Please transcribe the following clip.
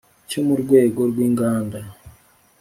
cyo mu rwego rw inganda